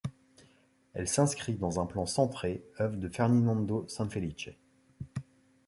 Elle s'inscrit dans un plan centré, œuvre de Ferdinando Sanfelice.